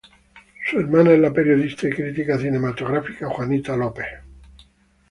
Su hermana es la periodista y crítica cinematográfica Judy Stone.